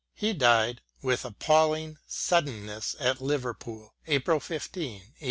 He died with appalling suddenness at Liverpool, April 15, 1888.